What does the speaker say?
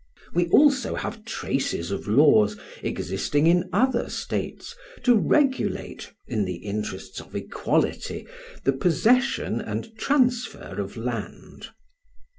We have also traces of laws existing in other states to regulate in the interests of equality the possession and transfer of land.